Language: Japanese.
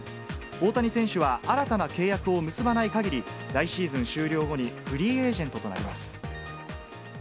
大谷選手は新たな契約を結ばないかぎり、来シーズン終了後にフリーエージェントとなります。